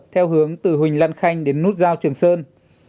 theo hướng từ huỳnh lan khanh đến nút giao trường sơn